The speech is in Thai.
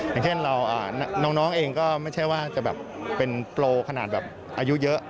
อย่างเช่นเราน้องเองก็ไม่ใช่ว่าจะแบบเป็นโปรขนาดแบบอายุเยอะ